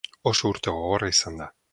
Oso urte gogorra izan da.